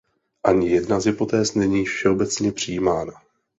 Ani jedna z hypotéz není všeobecně přijímána.